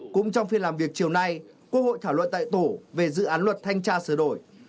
cũng trong phiên làm việc chiều nay quốc hội thảo luận tại tổ về dự án luật thanh tra sửa đổi